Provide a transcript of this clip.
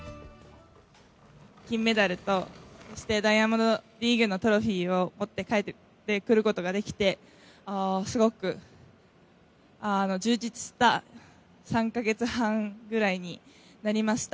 金メダルとダイヤモンドリーグのトロフィーを持って帰ってくることができて、ああ、すごく充実した３か月半ぐらいになりました。